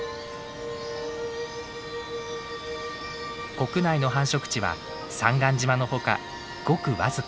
国内の繁殖地は三貫島のほかごく僅か。